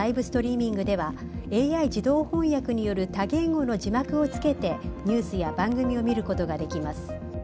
ストリーミングではＡＩ自動翻訳による多言語の字幕をつけてニュースや番組を見ることができます。